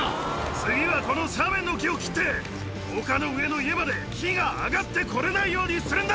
次は、この斜面の木を切って、丘の上の家まで火が上がってこれないようにするんだ。